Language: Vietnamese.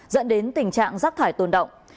dẫn đến tình trạng rác thải tồn đọng